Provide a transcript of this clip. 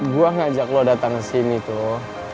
gue ngajak lo datang kesini tuh